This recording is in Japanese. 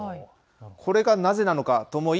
これがなぜなのかと思い